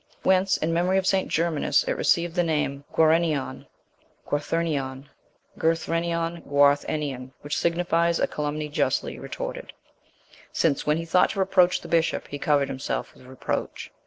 Whence, in memory of St. Germanus, it received the name Guarenniaun (Guartherniaun, Gurthrenion, Gwarth Ennian) which signifies, a calumny justly retorted, since, when he thought to reproach the bishop, he covered himself with reproach."